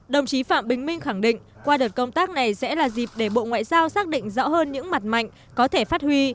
đồng chí phạm bình minh khẳng định qua đợt công tác này sẽ là dịp để bộ ngoại giao xác định rõ hơn những mặt mạnh có thể phát huy